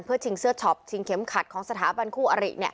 ชิงเสื้อช็อปชิงเข็มขัดของสถาบันคู่อริ